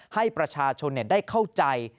ให้ประชาชนได้เข้าใจ